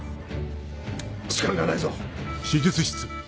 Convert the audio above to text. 時間がないぞ。